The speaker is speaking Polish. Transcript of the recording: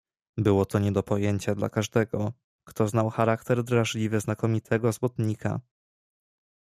"Było to nie do pojęcia dla każdego, kto znał charakter drażliwy znakomitego złotnika."